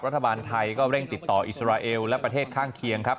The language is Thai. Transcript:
รัฐบาลไทยก็เร่งติดต่ออิสราเอลและประเทศข้างเคียงครับ